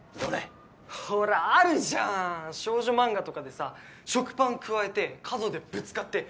ほらあるじゃん少女漫画とかでさ食パン咥えて角でぶつかって恋に落ちるやつあっ